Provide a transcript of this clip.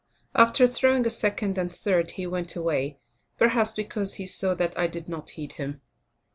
After throwing a second and third, he went away; perhaps because he saw that I did not heed him.